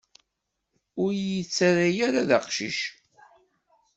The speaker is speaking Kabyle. Ur yi-ttarra ara d aqcic.